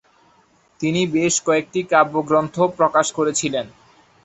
তিনি বেশ কয়েকটি কাব্যগ্রন্থও প্রকাশ করেছিলেন।